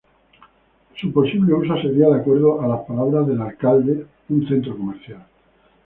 Su posible uso sería, de acuerdo a las palabras del alcalde, un centro comercial.